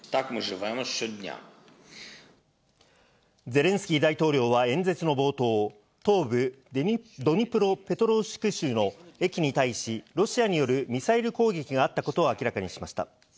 ゼレンスキー大統領は演説の冒頭、東部ドニプロペトロウシク州の駅に対し、ロシアによるミサイル攻撃があったことを明らかにしました。